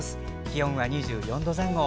気温は２４度前後。